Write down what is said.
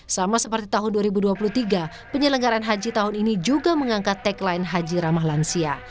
sama seperti tahun dua ribu dua puluh tiga penyelenggaran haji tahun ini juga mengangkat tagline haji ramah lansia